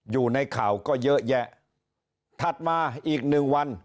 อยู่ในข่าวก็เยอะแยะถัดมาอีกหนึ่งวัน